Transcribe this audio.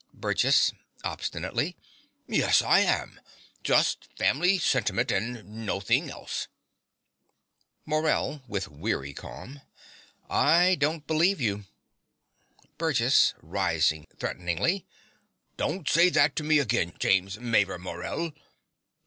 BURGESS (obstinately). Yes, I ham just family sentiment and nothink else. MORELL (with weary calm). I don't believe you! BURGESS (rising threateningly). Don't say that to me again, James Mavor Morell.